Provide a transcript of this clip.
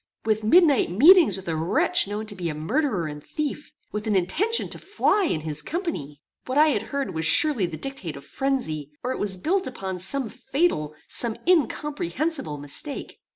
with midnight meetings with a wretch known to be a murderer and thief! with an intention to fly in his company! What I had heard was surely the dictate of phrenzy, or it was built upon some fatal, some incomprehensible mistake.